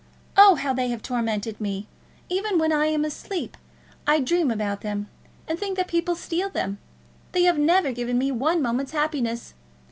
Oh, how they have tormented me! Even when I am asleep I dream about them, and think that people steal them. They have never given me one moment's happiness.